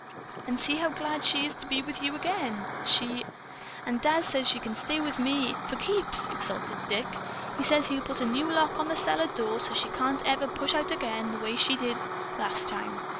"And see how glad she is to be with you again! She " "And Dad says she can stay with me, for keeps!" exulted Dick. "He says he'll put a new lock on the cellar door, so she can't ever push out again, the way she did, last time.